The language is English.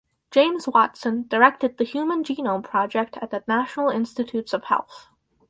James Watson directed the Human Genome Project at the National Institutes of Health.